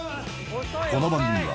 この番組は